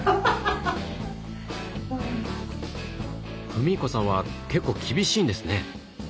史彦さんは結構厳しいんですね？